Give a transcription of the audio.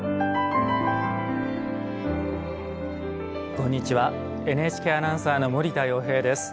こんにちはＮＨＫアナウンサーの森田洋平です。